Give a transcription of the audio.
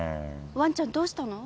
ワンちゃんどうしたの？